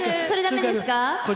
それ、だめですか。